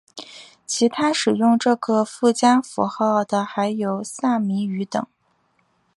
其他使用这个附加符号的还有萨米语等。